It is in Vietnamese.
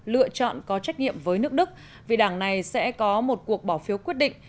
lựa chọn có trách nhiệm với nước đức vì đảng này sẽ có một cuộc bỏ phiếu quyết định